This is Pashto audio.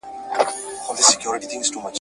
یو ناڅاپه غشی ورغی له مځکي ..